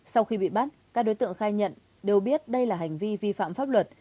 sau khi bị bắt các đối tượng khai nhận đều biết đây là hành vi vi phạm pháp luật